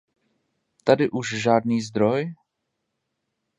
Tady už žádný zdroj?